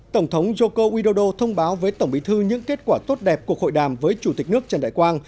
tổng thống joko widodo thông báo với tổng bí thư những kết quả tốt đẹp cuộc hội đàm với chủ tịch nước trần đại quang